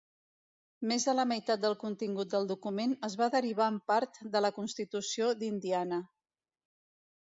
Més de la meitat del contingut del document es va derivar en part de la constitució d'Indiana.